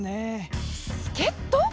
助っ人？